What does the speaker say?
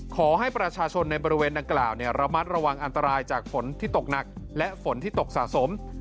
ขอให้ประชาชนในบริเวณดังกล่าวระมัดระวังอันตรายจากฝนที่ตกหนักและฝนที่ตกสะสม